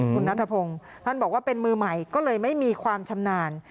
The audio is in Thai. คุณนัทพงศ์ท่านบอกว่าเป็นมือใหม่ก็เลยไม่มีความชำนาญ